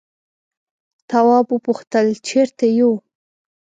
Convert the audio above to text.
تواب وپوښتل چیرته یو.